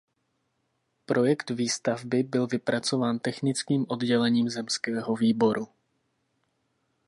Projekt výstavby byl vypracován technickým oddělením Zemského výboru.